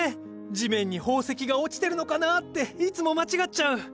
地面に宝石が落ちてるのかなっていつも間違っちゃう。